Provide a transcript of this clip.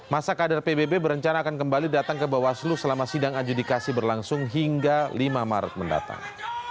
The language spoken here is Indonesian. masa kader pbb berencana akan kembali datang ke bawaslu selama sidang adjudikasi berlangsung hingga lima maret mendatang